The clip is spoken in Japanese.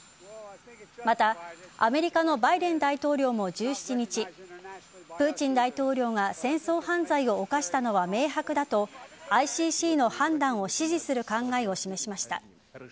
またアメリカのバイデン大統領も１７日プーチン大統領が戦争犯罪を犯したのは明白だとＩＣＣの判断を支持する考えを示しました。